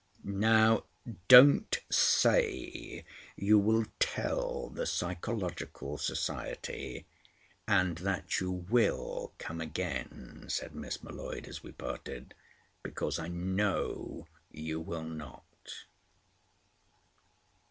"Now, don't say you will tell the Psychological Society, and that you will come again," said Miss M'Leod, as we parted. "Because I know you will not."